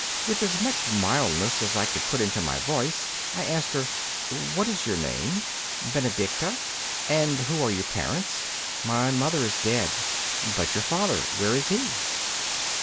With as much mildness as I could put into my voice, I asked her: 'What is your name?' 'Benedicta.' 'And who are your parents?' 'My mother is dead.' 'But your father where is he?